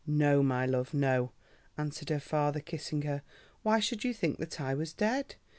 "No, my love, no," answered her father, kissing her. "Why should you think that I was dead?